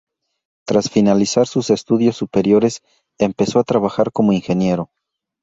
Tras finalizar sus estudios superiores, empezó a trabajar como ingeniero.